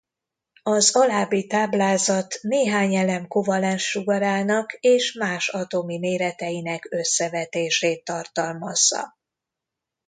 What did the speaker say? Az alábbi táblázat néhány elem kovalens sugarának és más atomi méreteinek összevetését tartalmazza.